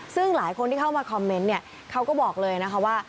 ซึ่งหลายคนที่เข้ามาคอมเมนต์เนี่ยเขาก็บอกเลยนะคะว่า